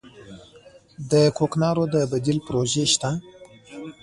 د کوکنارو د بدیل پروژې شته؟